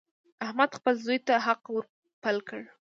احمد خپل زوی ته حق ور پل کړ.